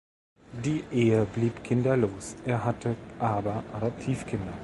Die Ehe blieb kinderlos, er hatte aber Adoptivkinder.